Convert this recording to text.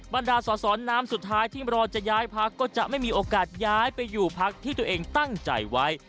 บรรดาสอสอน้ำสุดท้ายที่รอจะย้ายพักก็จะไม่มีโอกาสย้ายไปอยู่พักที่ตัวเองตั้งใจไว้